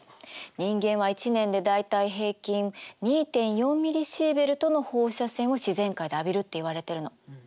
人間は１年で大体平均２．４ミリシーベルトの放射線を自然界で浴びるっていわれてるの。